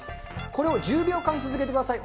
これを１０秒間続けてください。